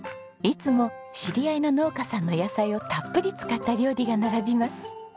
いつも知り合いの農家さんの野菜をたっぷり使った料理が並びます。